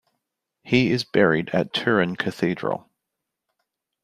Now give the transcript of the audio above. He is buried at Turin Cathedral.